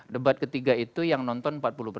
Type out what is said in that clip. debat ketiga itu yang nonton empat puluh empat